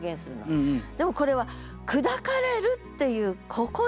でもこれは「砕かれる」っていうここで。